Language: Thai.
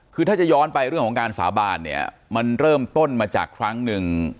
คือถ้าจะย้อนไปเรื่องของการสาบานเนี่ยมันเริ่มต้นมาจากครั้งหนึ่ง